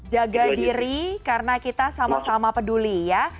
jaga diri karena kita sama sama peduli ya